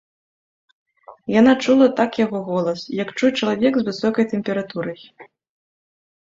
Яна чула так яго голас, як чуе чалавек з высокай тэмпературай.